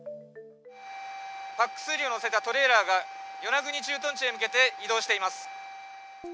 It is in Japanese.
ＰＡＣ−３を載せたトレーラーが与那国駐屯地に向けて移動しています。